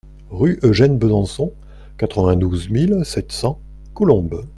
Rue Eugène Besançon, quatre-vingt-douze mille sept cents Colombes